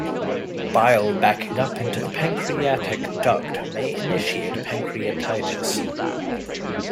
Bile backing up into the pancreatic duct may initiate pancreatitis.